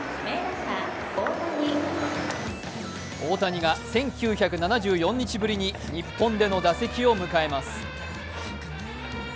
大谷が１９７４日ぶりに日本での打席を迎えます。